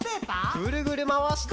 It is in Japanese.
ぐるぐるまわして。